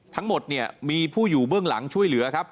ทั้งหมดมีผู้อยู่เบื้องหลังช่วยเหลือ